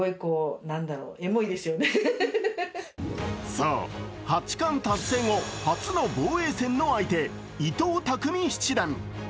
そう、八冠達成後、初の防衛戦の相手伊藤匠七段。